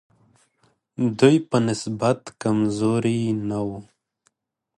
دوی په نسبت کمزوري نه وو.